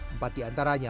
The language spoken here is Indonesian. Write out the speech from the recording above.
empat di antaranya